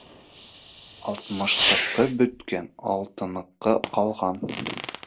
Алтмыштыҡы бөткән, алтыныҡы ҡалған.